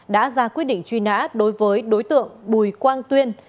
đã ra quyết định truy nã đối với đối tượng bùi quang tuyên